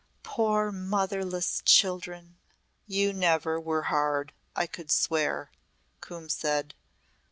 poor motherless children!" "You never were hard, I could swear," Coombe said.